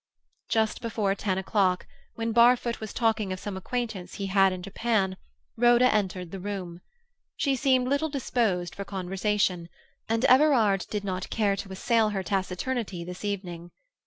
Just before ten o'clock, when Barfoot was talking of some acquaintances he had left in Japan, Rhoda entered the room. She seemed little disposed for conversation, and Everard did not care to assail her taciturnity this evening.